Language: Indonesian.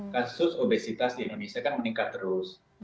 kasus obesitas di indonesia kan meningkat terus